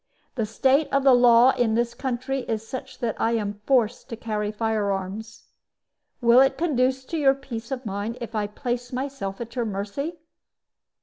The state of the law in this country is such that I am forced to carry fire arms. Will it conduce to your peace of mind if I place myself at your mercy?"